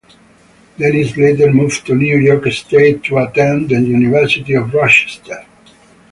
Dennis later moved to New York state to attend the University of Rochester.